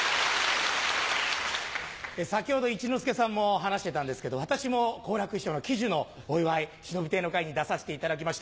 先ほど一之輔さんも話してたんですけど私も好楽師匠の喜寿のお祝いしのぶ亭の会に出させていただきまして。